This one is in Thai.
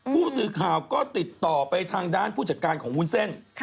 ผู้สื่อข่าวก็ติดต่อไปทางด้านผู้จัดการของวุ้นเส้น